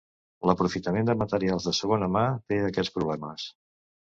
L'aprofitament de materials de segona mà té aquests problemes.